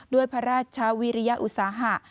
ด้วยพระราชวิริยอุตสาหะ